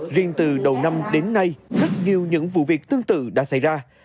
riêng từ đầu năm đến nay rất nhiều những vụ việc tương tự đã xảy ra